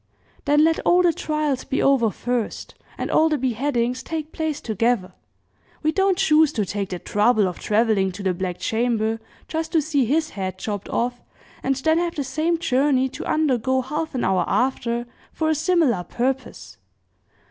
"Then let all the trials be over first, and all the beheadings take place together. We don't choose to take the trouble of traveling to the Black Chamber just to see his head chopped off, and then have the same journey to undergo half an hour after, for a similar purpose.